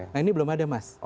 nah ini belum ada mas